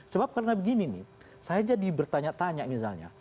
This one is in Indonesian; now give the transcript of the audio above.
sebab karena begini nih saya jadi bertanya tanya misalnya